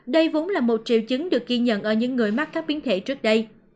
đây vốn là một triệu chứng được ghi nhận ở những người mắc các biến thể trước đây